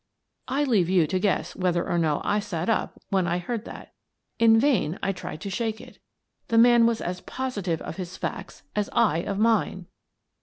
I leave you to guess whether or no I sat up when I heard that. In vain I tried to shake it. The man was as positive of his facts as I of mine.